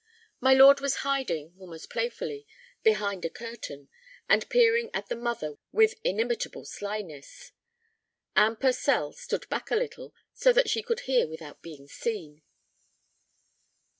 My lord was hiding, almost playfully, behind a curtain, and peering at the mother with inimitable slyness. Anne Purcell stood back a little, so that she could hear without being seen.